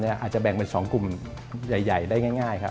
อาจจะแบ่งเป็น๒กลุ่มใหญ่ได้ง่ายครับ